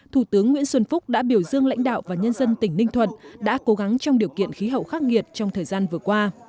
thủ tướng nguyễn xuân phúc đã biểu dương lãnh đạo và nhân dân tỉnh ninh thuận đã cố gắng trong điều kiện khí hậu khắc nghiệt trong thời gian vừa qua